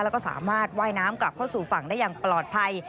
แล้วก็สามารถว่ายน้ำกลับเข้าสู่ฝั่งได้อย่างปลอดภัย